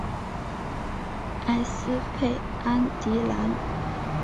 埃斯佩安迪兰。